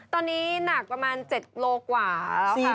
ตอนนี้หนักประมาณ๗โลกว่าแล้วค่ะ